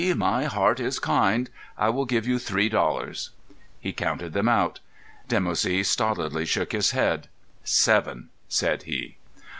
My heart is kind. I will give you three dollars." He counted them out. Dimoussi stolidly shook his head. "Seven," said he.